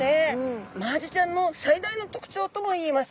マアジちゃんの最大の特徴ともいいます